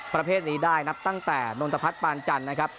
ประเภทนี้ได้นับตั้งแต่นนทพัฒน์ปานจันทร์นะครับ